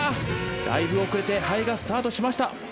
だいぶ遅れてハエがスタートしました！